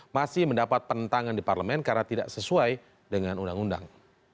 masih mendapat penentangan di parlemen karena tidak sesuai dengan undang undang